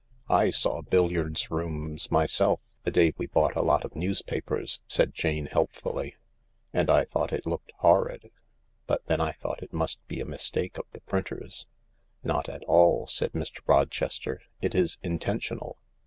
THE LARK 121 "/ saw billiards rooms myself, the day we bought a lot of newspapers," said Jane helpfully, "and I thought it looked horrid, but then I thought it must be a mistake of the printers." "Not at all," said Mr. Rochester, "it is intentional.